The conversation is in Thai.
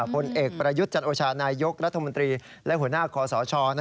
ผลเอกประยุทธ์จันโอชานายยกรัฐมนตรีและหัวหน้าคอสช